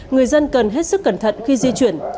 người dân cần hết sức cẩn thận khi di chuyển